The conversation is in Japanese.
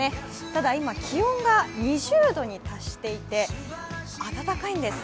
ただ今、気温が２０度に達していて暖かいんです。